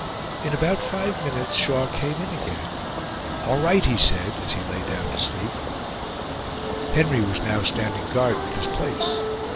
In about five minutes Shaw came in again. "All right," he said, as he lay down to sleep. Henry was now standing guard in his place.